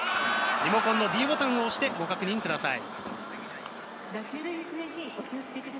リモコンのｄボタンを押してご確認ください。